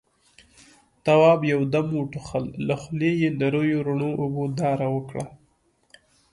تواب يو دم وټوخل، له خولې يې نريو رڼو اوبو داره وکړه.